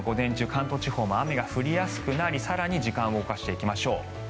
関東地方も雨が降りやすくなり更に、時間を動かしていきましょう。